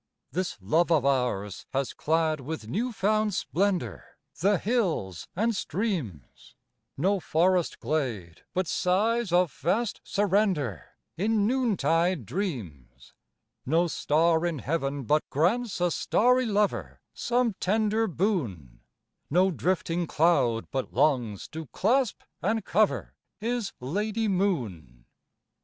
This love of ours has clad with new found splendour The hills and streams, No forest glade but sighs of vast surrender, In noontide dreams, No star in heaven but grants a starry lover Some tender boon, No drifting cloud but longs to clasp and cover His lady Moon.